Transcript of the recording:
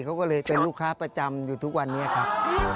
เขาก็เลยเป็นลูกค้าประจำอยู่ทุกวันนี้ครับ